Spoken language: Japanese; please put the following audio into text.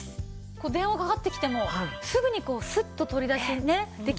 これ電話かかってきてもすぐにこうスッと取り出しねできますしね。